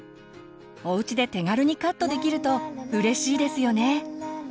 おうちで手軽にカットできるとうれしいですよね。